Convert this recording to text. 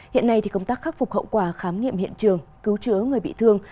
hiện nay công tác khắc phục hậu quả khám nghiệm hiện trường cứu chữa người bị thương